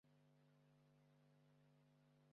Rammed hano nk'igiti tangaza